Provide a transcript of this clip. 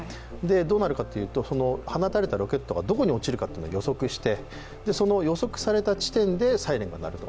どうなるかというと放たれたロケットがどこに落ちるかというのを予測して予測された地点でサイレンが鳴ると。